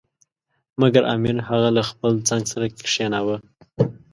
مګر امیر هغه له خپل څنګ سره کښېناوه.